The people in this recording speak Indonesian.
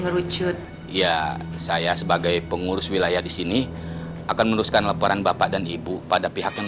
ngerucut ya saya sebagai pengurus wilayah disini akan meneruskan laporan bapak dan ibu pada pihak yang